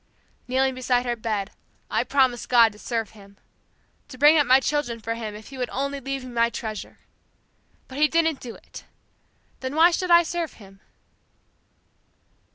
Kneeling beside her bed I promised God to serve Him; to bring up my children for Him if He would only leave me my treasure. But He didn't do it Then why should I serve Him?'